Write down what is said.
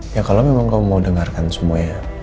ya kalau memang kamu mau dengarkan semuanya